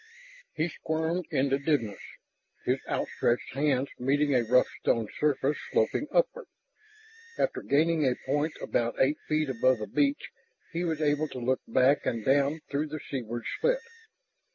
He squirmed into dimness, his outstretched hands meeting a rough stone surface sloping upward. After gaining a point about eight feet above the beach he was able to look back and down through the seaward slit.